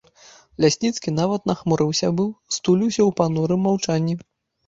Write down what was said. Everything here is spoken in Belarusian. Лясніцкі нават нахмурыўся быў, стуліўся ў панурым маўчанні.